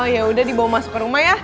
yaudah dibawa masuk ke rumah ya